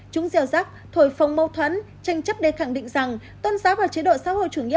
chúng gieo rắc thổi phồng mâu thuẫn tranh chấp để khẳng định rằng tôn giáo và chế độ xã hội chủ nghĩa